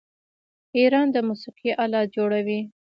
ایران د موسیقۍ الات جوړوي.